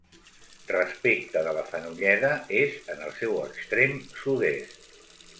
Respecte de la Fenolleda, és en el seu extrem sud-est.